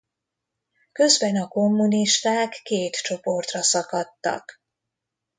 Közben a kommunisták két csoportra szakadtak.